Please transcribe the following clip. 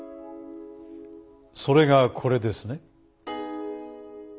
それがこれですね？